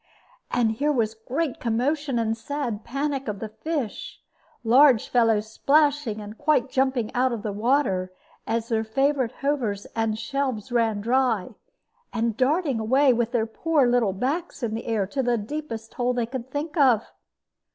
And here was great commotion and sad panic of the fish, large fellows splashing and quite jumping out of water, as their favorite hovers and shelves ran dry, and darting away, with their poor backs in the air, to the deepest hole they could think of.